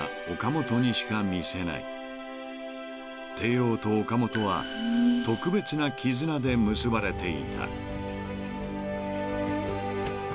［テイオーと岡元は特別な絆で結ばれていた］